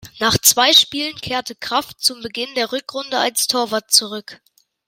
Nach zwei Spielen kehrte Kraft zum Beginn der Rückrunde als Torwart zurück.